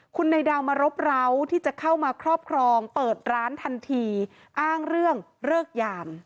คุณนายดาวมารบร้าวที่จะเข้ามาครอบครองเปิดร้านทันทีอ้างเรื่องเลิกยาม